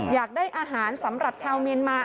อยากได้อาหารสำหรับชาวเมียนมา